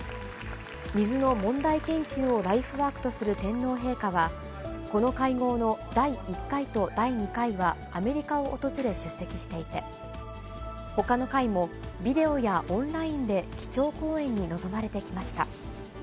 水の問題研究をライフワークとする天皇陛下は、この会合の第１回と第２回はアメリカを訪れ出席していて、ほかの回も、ビデオやオンラインで基調講演に臨まれてきました。